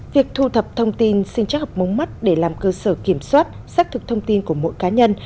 việc thu thập thông tin sinh chắc học mống mắt để làm cơ sở kiểm soát xác thực thông tin của mỗi cá nhân